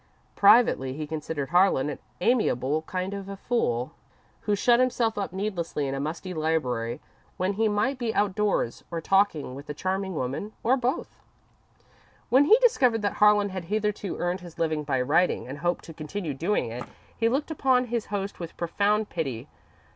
Privately, he considered Harlan an amiable kind of a fool, who shut himself up needlessly in a musty library when he might be outdoors, or talking with a charming woman, or both. When he discovered that Harlan had hitherto earned his living by writing and hoped to continue doing it, he looked upon his host with profound pity.